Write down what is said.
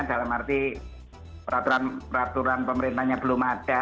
dalam arti peraturan peraturan pemerintahnya belum ada